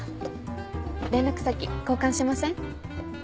連絡先交換しません？